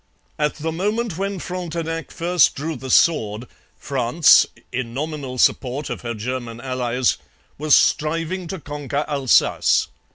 At the moment when Frontenac first drew the sword France (in nominal support of her German allies) was striving to conquer Alsace.